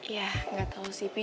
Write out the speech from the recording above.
ya gak tahu sih pi